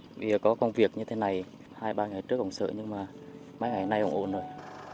bây giờ có công việc như thế này hai ba ngày trước ổng sợ nhưng mà mấy ngày nay ổng ổn rồi